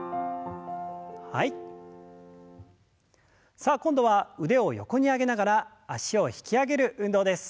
さあ今度は腕を横に上げながら脚を引き上げる運動です。